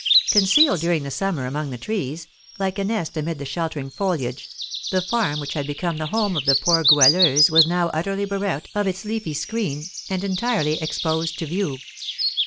Concealed during the summer among the trees, like a nest amid the sheltering foliage, the farm which had become the home of the poor Goualeuse was now utterly bereft of its leafy screen, and entirely exposed to view.